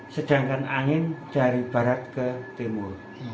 sedangkan angin dari barat ke timur